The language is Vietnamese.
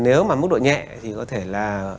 nếu mà mức độ nhẹ thì có thể là